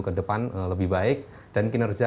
ke depan lebih baik dan kinerja